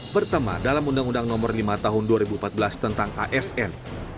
pertama dalam undang undang nomor lima tahun dua ribu empat belas tentang asn